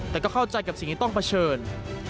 แต่ก็เข้าใจกับสิ่งที่ต้องเผชิญ